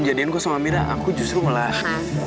ya yakin lah